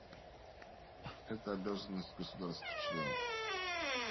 Это обязанность государств-членов.